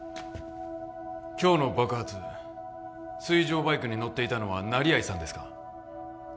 今日の爆発水上バイクに乗っていたのは成合さんですか？